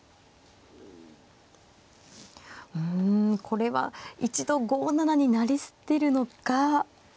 うんこれは一度５七に成り捨てるのか。